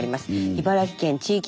茨城県地域